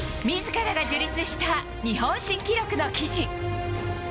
自らが樹立した日本新記録の記事。